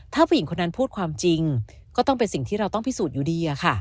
ถ้าผู้หญิงคนนั้นพูดความจริงก็ต้องเป็นสิ่งที่เราต้องพิสูจน์อยู่ดี